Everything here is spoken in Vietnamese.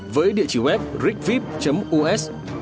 với địa chỉ web rigvip us